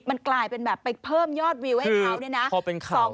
มันกลายเป็นแบบไปเพิ่มยอดวิวให้เขาเนี่ยนะ